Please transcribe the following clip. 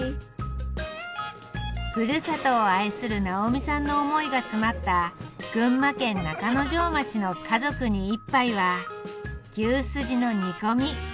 ふるさとを愛する奈緒美さんの思いが詰まった群馬県中之条町の「家族に一杯」は「牛すじの煮込み」。